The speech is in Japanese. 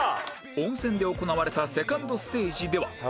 温泉で行われたセカンドステージでは